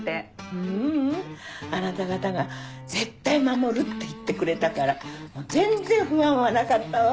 ううんあなた方が絶対守るって言ってくれたから全然不安はなかったわ。